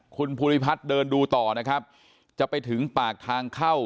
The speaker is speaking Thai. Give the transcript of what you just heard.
คุณภูริพัฒน์เดินดูต่อนะครับจะไปถึงปากทางเข้า